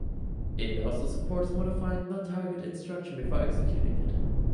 It also supports modifying the target instruction before executing it.